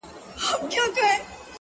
که ستا د حسن د رڼا تصوير په خوب وويني’